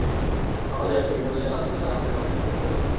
সকালে এক, তো বিকেলে আরেক রঙে রাঙাতে পারেন নতুন বছরের পয়লা দিন।